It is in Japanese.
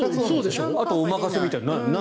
あとお任せみたいな。